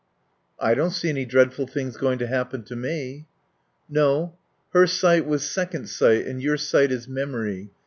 "I don't see any dreadful things going to happen to me." "No. Her sight was second sight; and your sight is memory.